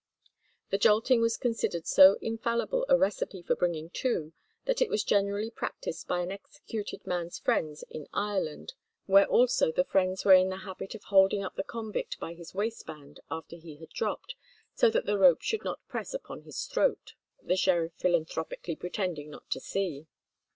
The jolting was considered so infallible a recipe for bringing to, that it was generally practised by an executed man's friends in Ireland, where also the friends were in the habit of holding up the convict by his waistband after he had dropped, "so that the rope should not press upon his throat," the sheriff philanthropically pretending not to see.